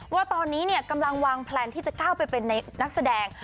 ว่าตอนนี้กำลังวางแพลนที่จะก้าวไปเป็นนักแสดง